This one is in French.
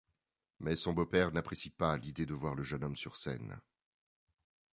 Mais son beau-père n'apprécie pas l'idée de voir le jeune homme sur scène.